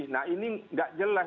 nah ini nggak jelas